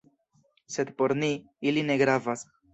Sed por ni, ili ne gravas.